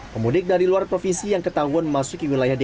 pemudik dari luar provinsi yang ketahuan masuk ke wilayah d i e